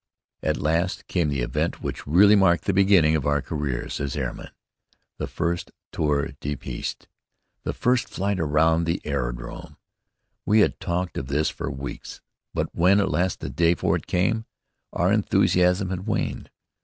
At last came the event which really marked the beginning of our careers as airmen: the first tour de piste, the first flight round the aerodrome. We had talked of this for weeks, but when at last the day for it came, our enthusiasm had waned.